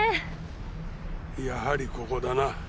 やはりここだな。